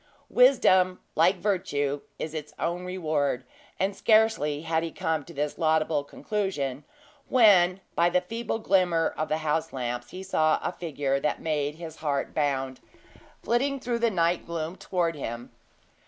Wisdom, like Virtue, is its own reward; and scarcely had he come to this laudable conclusion, when, by the feeble glimmer of the house lamps, he saw a figure that made his heart bound, flitting through the night gloom toward him.